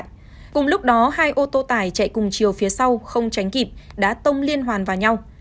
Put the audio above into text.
cùng lúc đó hai ô tô tải chạy cùng chiều phía sau không tránh kịp đã tông liên hoàn vào nhau